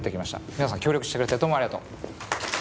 皆さん協力してくれてどうもありがとう。